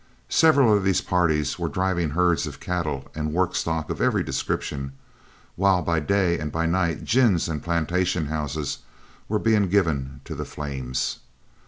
Several of these parties were driving herds of cattle and work stock of every description, while by day and by night gins and plantation houses were being given to the flames.